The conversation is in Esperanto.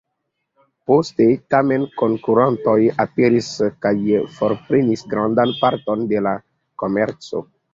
Poste, tamen, konkurantoj aperis kaj forprenis grandan parton de la komerco.